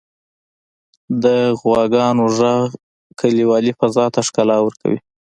• د غواګانو ږغ کلیوالي فضا ته ښکلا ورکوي.